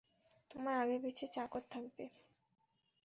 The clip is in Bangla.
আর তোমার আগেপিছে চাকর থাকবে।